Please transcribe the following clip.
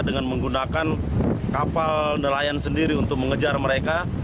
dengan menggunakan kapal nelayan sendiri untuk mengejar mereka